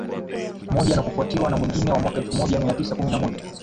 moja na kufuatiwa na mwingine wa mwaka elfu moja mia tisa kumi na moja